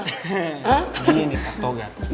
gini pak togan